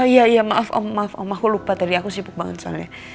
iya ya maaf om maaf om aku lupa tadi aku sibuk banget soalnya